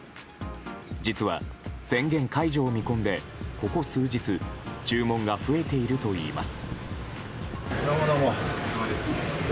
実は、宣言解除を見込んでここ数日注文が増えているといいます。